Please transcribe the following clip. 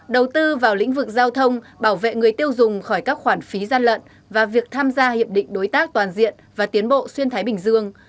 đầu tư vào lĩnh vực giao thông bảo vệ người tiêu dùng khỏi các khoản phí gian lận và việc tham gia hiệp định đối tác toàn diện và tiến bộ xuyên thái bình dương